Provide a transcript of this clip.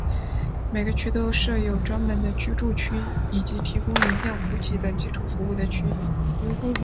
每个区都设有专门的居住区以及提供营养补给等基础服务的区域。